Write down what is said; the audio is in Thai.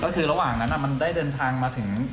ก็คือระหว่างนั้นมันได้เดินทางมาถึง